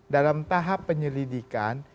dalam tahap penyelidikan